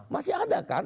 masih ada kan